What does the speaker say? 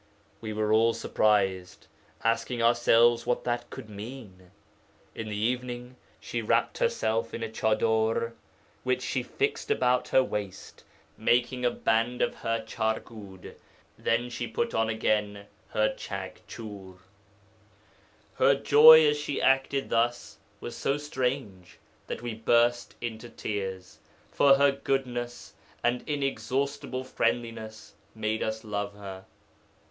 We were all surprised, asking ourselves what that could mean. In the evening, she wrapped herself in a chadour, which she fixed about her waist, making a band of her chargud, then she put on again her chagchour. Her joy as she acted thus was so strange that we burst into tears, for her goodness and inexhaustible friendliness made us love her.